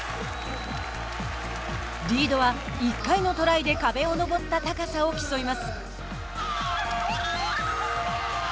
リードは、１回のトライで壁を登った高さを競います。